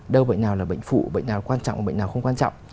đâu là bệnh nào là bệnh phụ bệnh nào là quan trọng bệnh nào không quan trọng